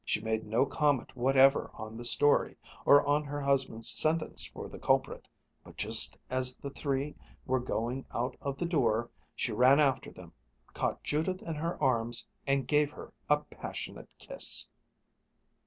She made no comment whatever on the story, or on her husband's sentence for the culprit, but just as the three, were going out of the door, she ran after them, caught Judith in her arms, and gave her a passionate kiss.